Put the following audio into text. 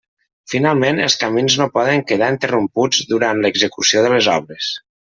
Finalment, els camins no poden quedar interromputs durant l'execució de les obres.